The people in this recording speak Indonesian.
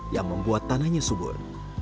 yang membuat tanahnya subur